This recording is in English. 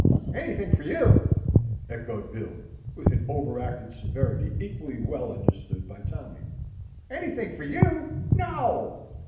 "Anythin' for you!" echoed Bill, with an overacted severity equally well understood by Tommy, "anythin' for you? No!